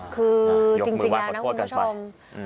คือจริงนะครับคุณผู้ชมหยกมือวางขอโทษกันไป